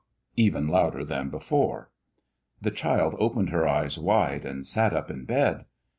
_ even louder than before. The child opened her eyes wide and sat up in bed.